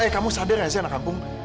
eh kamu sadar ya si anak kampung